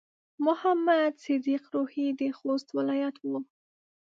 محمد صديق روهي د خوست ولايت و.